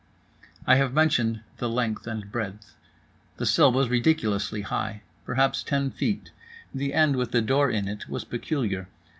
I have mentioned the length and breadth. The cell was ridiculously high; perhaps ten feet. The end with the door in it was peculiar.